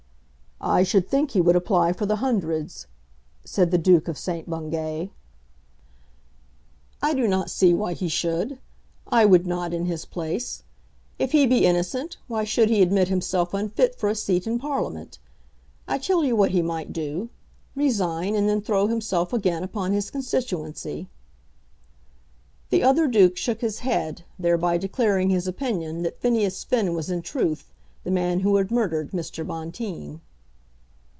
"I should think he would apply for the Hundreds," said the Duke of St. Bungay. "I do not see why he should. I would not in his place. If he be innocent, why should he admit himself unfit for a seat in Parliament? I tell you what he might do; resign, and then throw himself again upon his constituency." The other Duke shook his head, thereby declaring his opinion that Phineas Finn was in truth the man who had murdered Mr. Bonteen.